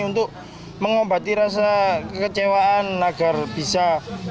untuk mengobati rasa kekecewaan agar bisa